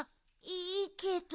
いいけど。